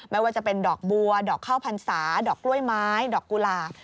ไม่ว่าจะเป็นดอกบัวดอกข้าวพรรษาดอกกล้วยไม้ดอกกุหลาบ